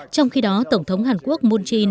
trong khi đó tổng thống hàn quốc moon jae in